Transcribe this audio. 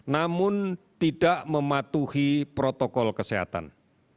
namun tidak mematuhi protokol kesehatan